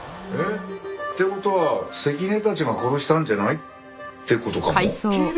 えっ？って事は関根たちが殺したんじゃないって事かも？